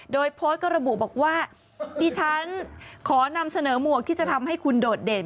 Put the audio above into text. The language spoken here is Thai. โดยโพสต์ก็ระบุบอกว่าดิฉันขอนำเสนอหมวกที่จะทำให้คุณโดดเด่น